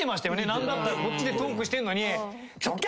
何だったらこっちでトークしてんのに「どけ！